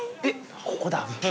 ここだ。